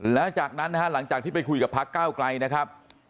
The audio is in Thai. แล้วจากนั้นนะฮะหลังจากที่ไปคุยกับพักก้าวไกลนะครับ